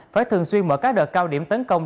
phải thường xuyên mở các đợt cao điểm tấn công